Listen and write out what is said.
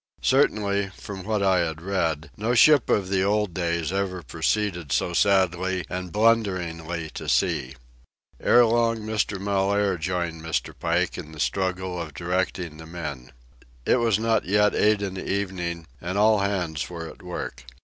Certainly, from what I had read, no ship of the old days ever proceeded so sadly and blunderingly to sea. Ere long Mr. Mellaire joined Mr. Pike in the struggle of directing the men. It was not yet eight in the evening, and all hands were at work.